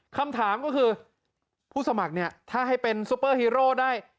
คำถามก็คือผู้สมัครเนี่ยถ้าให้เป็นซุปเปอร์ฮีโร่ได้